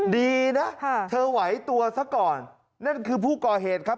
ดีนะเธอไหวตัวซะก่อนนั่นคือผู้ก่อเหตุครับ